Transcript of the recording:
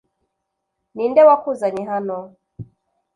ni nde wakuzanye hano